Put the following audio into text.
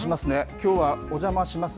きょうはおじゃまします！